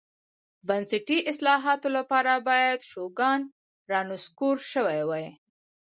بنسټي اصلاحاتو لپاره باید شوګان رانسکور شوی وای.